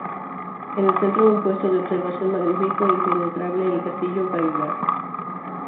En el centro, un puesto de observación magnífico e impenetrable: el Castillo Gaillard.